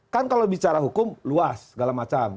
kan kalau bicara hukum luas segala macam